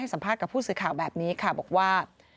สัมภาษณ์กับผู้สื่อข่าวแบบนี้ค่ะบอกว่า